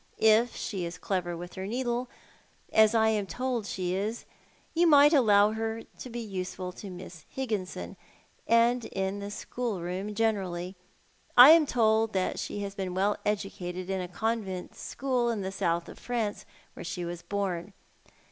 If she is clever with her needle, as I am told she is, you might allow her to be useful to Miss Higginson, and in the schoolroom generally. I am told that she has been well educated in a convent school, in the South of France, where she was born.